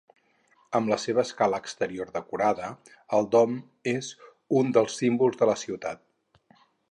Amb la seva escala exterior decorada, el dom és un dels símbols de la ciutat.